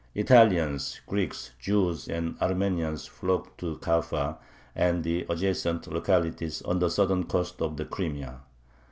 Italians, Greeks, Jews, and Armenians flocked to Kaffa and the adjacent localities on the southern coast of the Crimea.